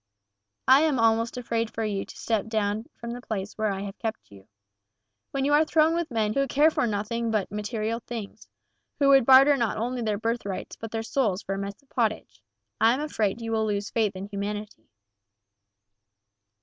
I am almost afraid for you to step down from the place where I have kept you. When you are thrown with men who care for nothing but material things, who would barter not only their birthrights but their souls for a mess of pottage, I am afraid you will lose faith in humanity."